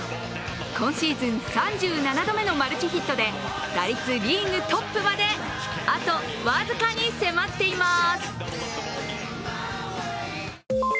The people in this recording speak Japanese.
今シーズン３７度目のマルチヒットで打率リーグトップまで、あと僅かに迫っています。